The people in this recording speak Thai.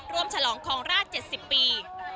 ฉลองคลองราช๗๐ปี